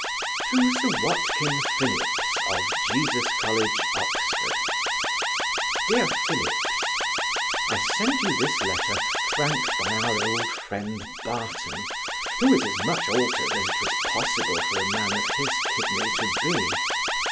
To Sir WATKIN PHILLIPS, of Jesus college, Oxon. DEAR PHILLIPS, I send you this letter, franked by our old friend Barton; who is as much altered as it was possible for a man of his kidney to be.